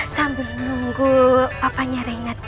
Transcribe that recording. sambil nunggu papanya rena tadi